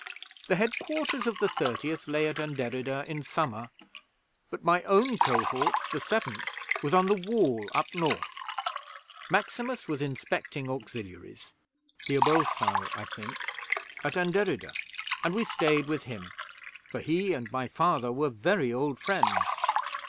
'The headquarters of the Thirtieth lay at Anderida in summer, but my own Cohort, the Seventh, was on the Wall up North. Maximus was inspecting Auxiliaries the Abulci, I think at Anderida, and we stayed with him, for he and my Father were very old friends.